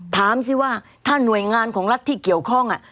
ถามสิว่าถ้าหน่วยงานของรัฐที่เกี่ยวข้อง